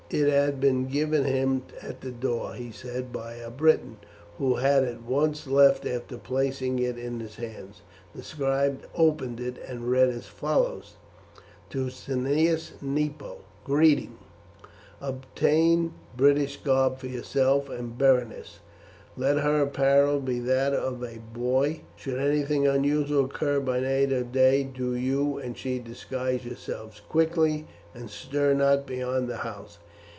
It had been given him at the door, he said, by a Briton, who had at once left after placing it in his hands. The scribe opened it and read as follows: "To Cneius Nepo, greeting Obtain British garb for yourself and Berenice. Let her apparel be that of a boy. Should anything unusual occur by night or day, do you and she disguise yourselves quickly, and stir not beyond the house.